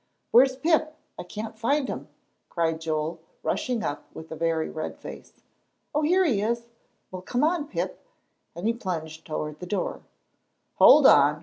"Where's Pip? I can't find him," cried Joel, rushing up with a very red face. "Oh, here he is! Well, come on, Pip," and he plunged toward the door. "Hold on!"